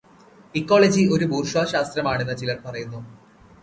Ecology ഒരു ബൂർഷ്വാശാസ്ത്രമാണെന്ന് ചിലർ പറയുന്നു.